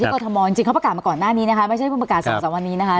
กรทมจริงเขาประกาศมาก่อนหน้านี้นะคะไม่ใช่เพิ่งประกาศ๒๓วันนี้นะคะ